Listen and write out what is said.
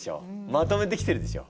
まとめてきてるでしょ。